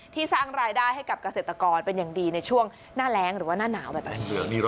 สร้างรายได้ให้กับเกษตรกรเป็นอย่างดีในช่วงหน้าแรงหรือว่าหน้าหนาวแบบนี้